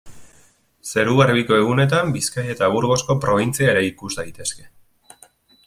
Zeru garbiko egunetan Bizkaia eta Burgosko probintzia ere ikus daitezke.